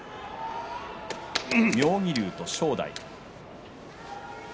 妙義龍と正代。